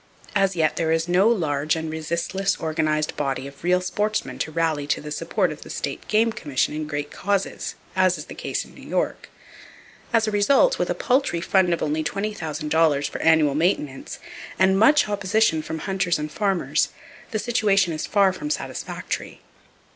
As yet there is no large and resistless organized body of real sportsmen to rally to the support of the State Game Commission in great causes, as is the case in New York. As a result, with a paltry fund of only $20,000 for annual maintenance, and much opposition from hunters and farmers, the situation is far from satisfactory.